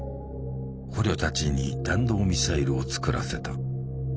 捕虜たちに弾道ミサイルを造らせた。